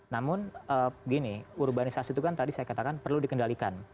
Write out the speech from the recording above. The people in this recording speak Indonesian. namun gini urbanisasi itu kan tadi saya katakan perlu dikendalikan